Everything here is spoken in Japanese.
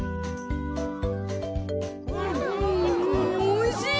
おいしい。